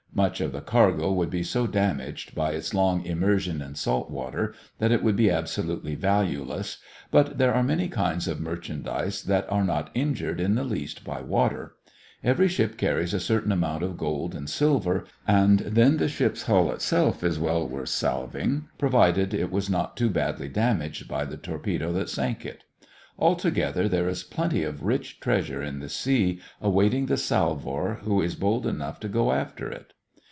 Much of the cargo would be so damaged by its long immersion in salt water that it would be absolutely valueless, but there are many kinds of merchandise that are not injured in the least by water. Every ship carries a certain amount of gold and silver; and then the ship's hull itself is well worth salving, provided it was not too badly damaged by the torpedo that sank it. Altogether, there is plenty of rich treasure in the sea awaiting the salvor who is bold enough to go after it.